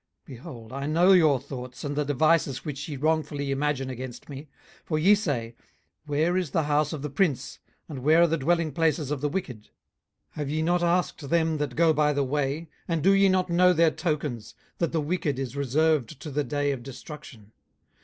18:021:027 Behold, I know your thoughts, and the devices which ye wrongfully imagine against me. 18:021:028 For ye say, Where is the house of the prince? and where are the dwelling places of the wicked? 18:021:029 Have ye not asked them that go by the way? and do ye not know their tokens, 18:021:030 That the wicked is reserved to the day of destruction?